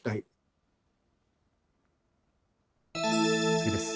次です。